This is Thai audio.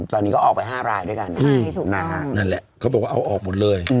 ตอนนี้ก็ออกไป๕รายด้วยกันนั่นแหละเขาบอกว่าเอาออกหมดเลย